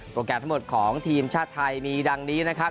แกรมทั้งหมดของทีมชาติไทยมีดังนี้นะครับ